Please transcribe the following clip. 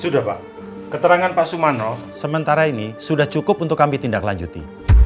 sudah pak keterangan pak sumano sementara ini sudah cukup untuk kami tindak lanjuti